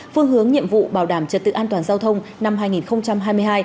phương hướng nhiệm vụ bảo đảm trật tự an toàn giao thông năm hai nghìn hai mươi hai